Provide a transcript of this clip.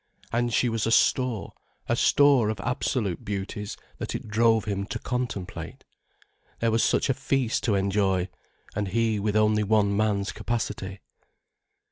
And she was a store, a store of absolute beauties that it drove him to contemplate. There was such a feast to enjoy, and he with only one man's capacity.